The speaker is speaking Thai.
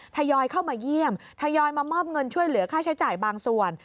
ทยอยเข้ามาเยี่ยมทยอยมามอบเงินช่วยเหลือค่าใช้จ่ายบางส่วน